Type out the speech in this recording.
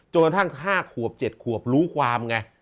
จนกระทั่งห้าขวบเจ็ดขวบรู้ความไง